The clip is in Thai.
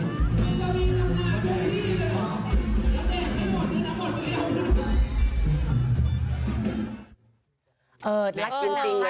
กินสักหน่าปุ่มที่เลยเหรออยากแตกอันที่หมดกำลังมาเต้าเหล้า